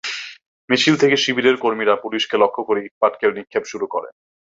মিছিল থেকে শিবিরের কর্মীরা পুলিশকে লক্ষ্য করে ইটপাটকেল নিক্ষেপ শুরু করেন।